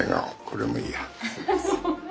これもいいや。